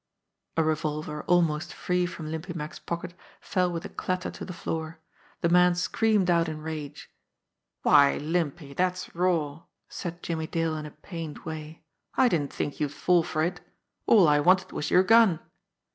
A revolver, almost free from Limpy Mack's pocket, fell with a clatter to the floor. The man screamed out in rage. "Why, Limpy, that's raw," said Jimmie Dale in a pained way. "I didn't think you'd fall for it. All I wanted was your gun."